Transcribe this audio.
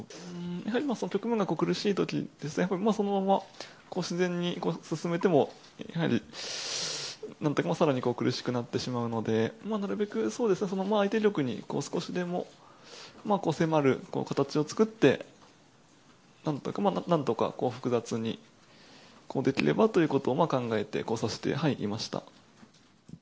やはり局面が苦しいときですね、そのまま自然に進めても、やはりなんていうか、さらに苦しくなってしまうので、なるべく相手玉に少しでも迫る形を作って、なんとか複雑にできればということを考えて指していました。